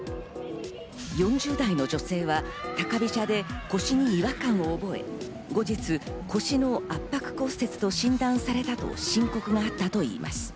４０代の女性は高飛車で腰に違和感を覚え、後日、腰の圧迫骨折と診断されたと申告があったといいます。